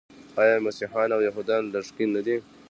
آیا مسیحیان او یهودان لږکي نه دي؟